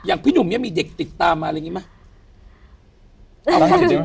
พี่หนุ่มเนี่ยมีเด็กติดตามมาอะไรอย่างนี้ไหม